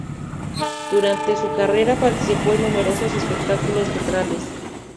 Durante su carrera participó en numerosos espectáculos teatrales.